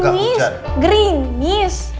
hujan atau gerimis